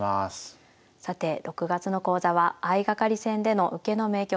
さて６月の講座は相掛かり戦での受けの名局。